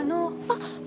あっ！